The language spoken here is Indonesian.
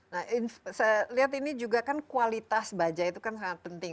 nah saya lihat ini juga kan kualitas baja itu kan sangat penting